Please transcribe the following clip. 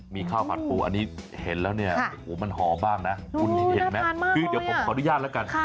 มีข้าวผัดปูอันนี้เห็นแล้วเนี่ยค่ะโอ้มันหอมบ้างนะคุณเห็นไหมดูน่าผันมากตัวเนี่ยเดี๋ยวผมขออนุญาตแล้วกันค่ะ